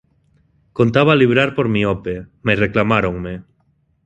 Contaba librar por miope, mais reclamáronme.